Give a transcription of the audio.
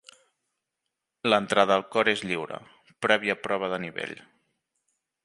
L'entrada al Cor és lliure, prèvia prova de nivell.